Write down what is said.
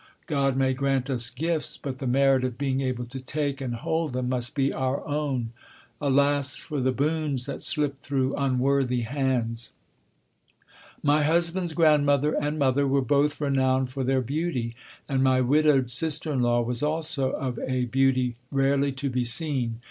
God may grant us gifts, but the merit of being able to take and hold them must be our own. Alas for the boons that slip through unworthy hands! My husband's grandmother and mother were both renowned for their beauty. And my widowed sister in law was also of a beauty rarely to be seen.